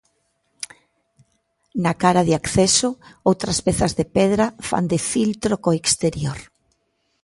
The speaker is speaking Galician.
Na cara de acceso, outras pezas de pedra fan de filtro co exterior.